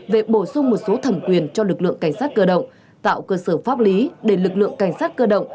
về bổ sung một số thẩm quyền cho lực lượng cảnh sát cơ động tạo cơ sở pháp lý để lực lượng cảnh sát cơ động